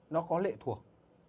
nó có lệ thuộc